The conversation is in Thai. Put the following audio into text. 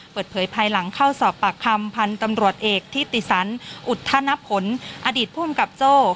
เปิดเผยภายหลังเข้าสอบปากคำพันธุ์ตำรวจเอกทิติสันอุทธนพลอดีตภูมิกับโจ้